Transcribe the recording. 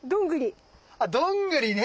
あどんぐりね。